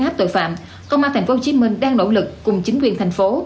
áp tội phạm công an tp hcm đang nỗ lực cùng chính quyền thành phố